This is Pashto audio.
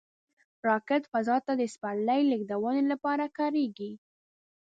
راکټ فضا ته د سپرلي لیږدونې لپاره کارېږي